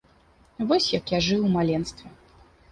Вось як я жыў у маленстве.